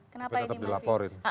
tapi tetap dilaporin